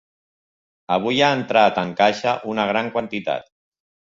Avui ha entrat en caixa una gran quantitat.